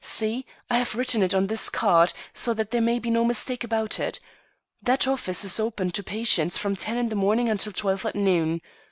See! I have written it on this card, so that there may be no mistake about it. That office is open to patients from ten in the morning until twelve at noon.